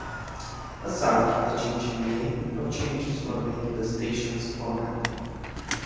Aside from the change in name, no changes were made to the station's format.